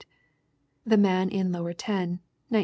The Man in Lower Ten, 1909.